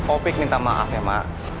opik minta maaf ya mak